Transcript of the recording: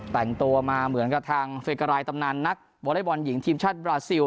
แต่งตัวมาเหมือนกับทางเฟการายตำนานนักวอเล็กบอลหญิงทีมชาติบราซิล